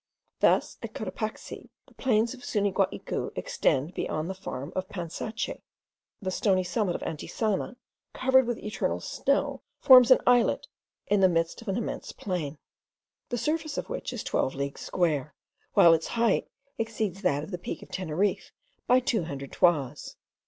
Thus at Cotopaxi the plains of Suniguaicu extend beyond the farm of Pansache. The stony summit of Antisana, covered with eternal snow, forms an islet in the midst of an immense plain, the surface of which is twelve leagues square, while its height exceeds that of the peak of Teneriffe by two hundred toises.